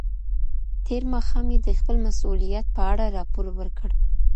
تېر ماښام يې د خپل مسؤليت په اړه راپور ورکړ.